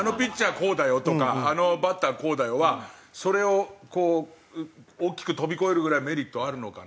こうだよとかあのバッターこうだよはそれをこう大きく飛び越えるぐらいメリットあるのかな。